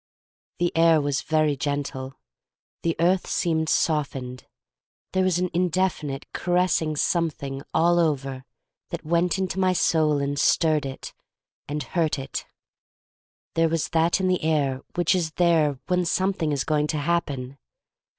The air was very gentle. The earth seemed softened. There was an indefinite, caressing something oyer all that went into my soul and stirred it, 98 THE STORY OF MARY MAC LANE QQ and hurt it. There was that in the air which is there when something is going to happen.